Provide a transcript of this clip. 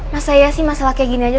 masa ya sih masalah kayak gini aja